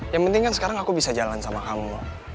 yang penting kan sekarang aku bisa jalan sama kamu